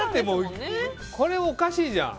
これ、おかしいじゃん。